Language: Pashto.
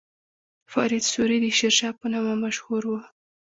فرید سوري د شیرشاه په نامه مشهور و.